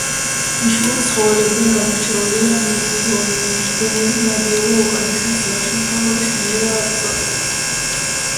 იშვიათი ცხოველებიდან გამორჩეულია მუფლონი, რომელზე ნადირობა უკანასკნელ წლებში მთავრობის მიერაა აკრძალული.